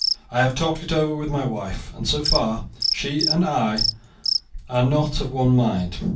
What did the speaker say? I have talked it over with my wife, and so far she and I are not of one mind.